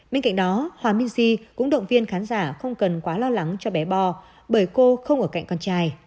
bên cạnh đó hòa minh di cũng động viên khán giả không cần quá lo lắng cho bé bo bởi cô không ở cạnh con trai